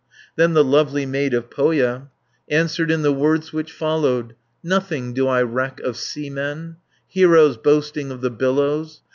Then the lovely maid of Pohja, Answered in the words which follow: "Nothing do I reck of seamen, Heroes boasting of the billows!